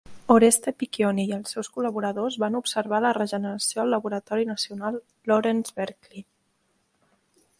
Oreste Piccioni i els seus col·laboradors van observar la regeneració al laboratori nacional Lawrence Berkeley.